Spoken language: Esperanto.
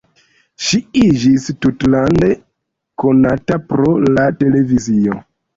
Ŝi iĝis tutlande konata pro la televizio.